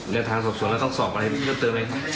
ในทางสอบสวนแล้วต้องสอบกรณีเพิ่มเติมไหม